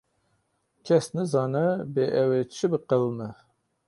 Kes nizane bê ew ê çi biqewime.